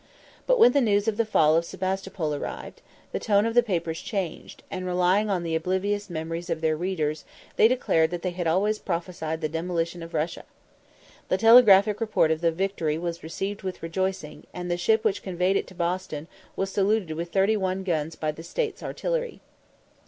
But when the news of the fall of Sebastopol arrived, the tone of the papers changed, and, relying on the oblivious memories of their readers, they declared that they had always prophesied the demolition of Russia. The telegraphic report of the victory was received with rejoicing, and the ship which conveyed it to Boston was saluted with thirty one guns by the States artillery.